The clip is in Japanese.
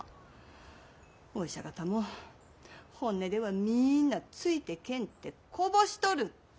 お医者方も本音では皆ついてけんってこぼしとるって。